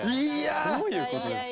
どういうことですか？